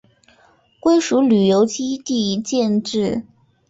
归属旅顺基地建制。